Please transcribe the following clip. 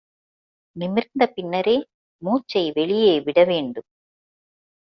நிமிர்ந்த பின்னரே மூச்சை வெளியே விட வேண்டும்.